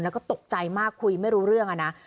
แล้วก็ตกใจมากคุยไม่รู้เรื่องอะนะ